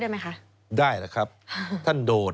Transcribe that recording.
สวัสดีครับคุณผู้ชมค่ะต้อนรับเข้าที่วิทยาลัยศาสตร์